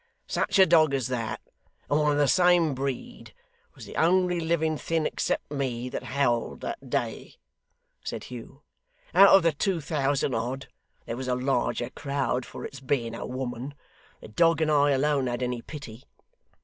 'Such a dog as that, and one of the same breed, was the only living thing except me that howled that day,' said Hugh. 'Out of the two thousand odd there was a larger crowd for its being a woman the dog and I alone had any pity.